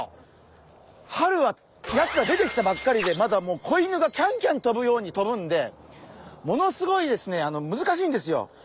春はやつら出てきたばっかりで子犬がキャンキャン飛ぶように飛ぶんでものすごいですね難しいんですよ。